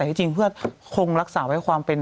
แต่ให้จริงเพื่อคงรักษาให้ความเป็น